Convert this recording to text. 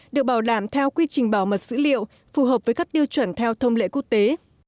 được bảo đảm theo quy trình bảo mật dữ liệu phù hợp với các tiêu chuẩn theo thông lệ quốc tế